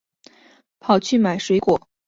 跑去买水果